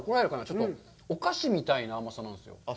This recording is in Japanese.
ちょっとお菓子みたいな甘さなんです。